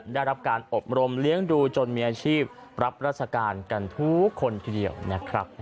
ได้รับการอบรมเลี้ยงดูจนมีอาชีพรับราชการกันทุกคนทีเดียวนะครับ